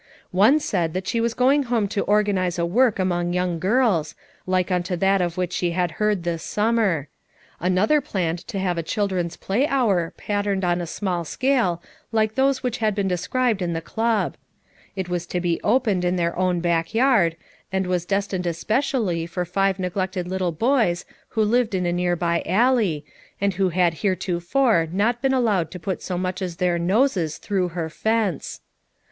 One said that she was going home to organize a work among young girls, like unto that of which she had heard this summer. Another planned to have a children's play hour patterned, on a small scale, like those which had been described in the club; it was to be opened in their own back yard, and was destined especially for five neg 302 FOUR MOTHERS AT CHAUTAUQUA lccted little boys who lived in a near by alley, and who had heretofore not been allowed to put so much as their noses through her fence.